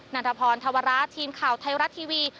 ันทพรธวระทีมข่าวไทยรัฐทีวี